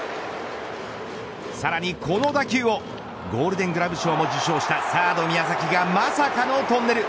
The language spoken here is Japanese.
さらにこの打球をゴールデングラブ賞も受賞したサード宮崎がまさかのトンネル。